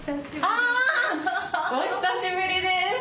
「あ！お久しぶりです」